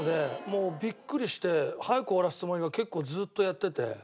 もうビックリして早く終わらすつもりが結構ずーっとやってて。